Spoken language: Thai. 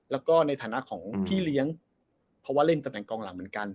แล้วก็ในฐานะของพี่เลี้ยงเพราะว่าเล่นตำแหน่งกองหลังเหมือนกัน